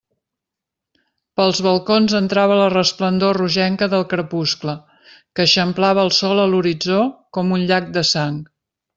Pels balcons entrava la resplendor rogenca del crepuscle, que eixamplava el sol a l'horitzó com un llac de sang.